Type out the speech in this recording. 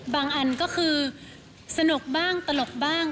อันก็คือสนุกบ้างตลกบ้าง